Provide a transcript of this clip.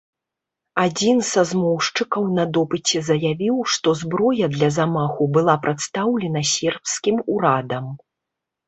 Адзін са змоўшчыкаў на допыце заявіў, што зброя для замаху была прадастаўлена сербскім урадам.